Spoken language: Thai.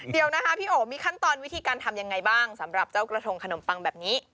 เดี๋ยวนะคะพี่โอ๋มีขั้นตอนวิธีการทำยังไงบ้างสำหรับเจ้ากระทงขนมปังแบบนี้